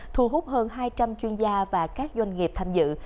thu hút hơn hai trăm linh chuyên gia và các doanh nghiệp tham dự